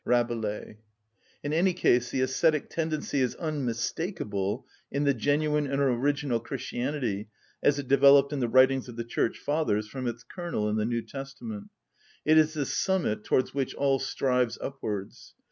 _" —RABELAIS. In any case, the ascetic tendency is unmistakable in the genuine and original Christianity as it developed in the writings of the Church Fathers from its kernel in the New Testament; it is the summit towards which all strives upwards.